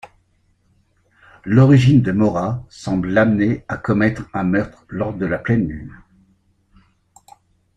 L'origine de Mora semble l'amener à commettre un meurtre lors de la pleine lune.